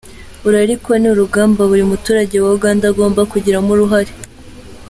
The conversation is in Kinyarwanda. Uru ariko ni urugamba buri muturage wa Uganda agomba kugiramo uruhare.